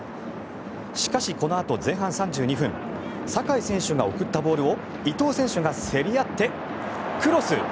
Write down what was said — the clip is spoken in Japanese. しかし、このあと前半３２分酒井選手が送ったボールを伊東選手が競り合ってクロス！